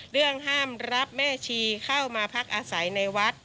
เรื่องห้ามรับแม่ชีเข้ามาพักอาศัยในวัด